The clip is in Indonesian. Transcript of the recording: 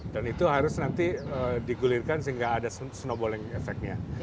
dan itu harus nanti digulirkan sehingga ada snowballing effectnya